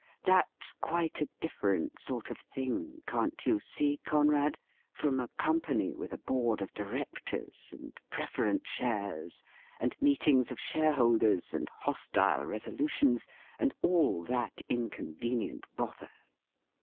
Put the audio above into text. That's quite a different sort of thing, can't you see, Conrad, from a company with a board of directors, and preference shares, and meetings of share holders, and hostile resolutions, and all that inconvenient bother